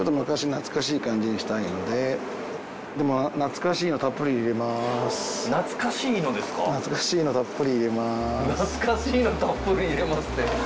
懐かしいのたっぷり入れますって。